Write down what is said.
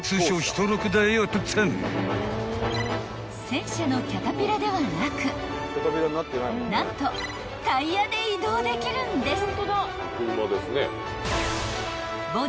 ［戦車のキャタピラではなく何とタイヤで移動できるんです］